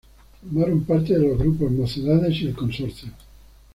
Formaron parte de los grupos Mocedades y El Consorcio.